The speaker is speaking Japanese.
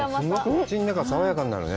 口の中、爽やかになるね。